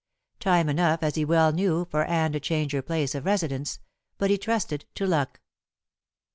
Time enough, as he well knew, for Anne to change her place of residence. But he trusted to luck.